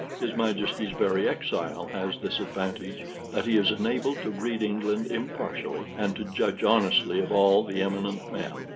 His Majesty's very exile has this advantage, that he is enabled to read England impartially, and to judge honestly of all the eminent men.